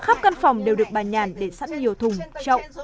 khắp căn phòng đều được bà nhàn để sẵn nhiều thùng trậu